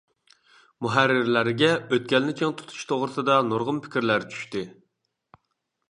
مۇھەررىرلەرگە ئۆتكەلنى چىڭ تۇتۇش توغرىسىدا نۇرغۇن پىكىرلەر چۈشتى.